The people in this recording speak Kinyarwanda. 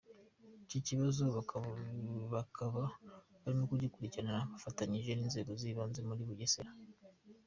Iki kibazo bakaba barimo kugikirikirana bafatanyije n’inzego z’ibanze muri Bugesera.